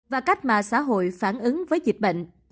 và cách mạng xã hội phản ứng với dịch bệnh